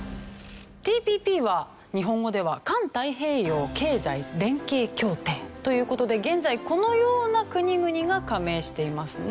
ＴＰＰは日本語では環太平洋経済連携協定という事で現在このような国々が加盟していますね。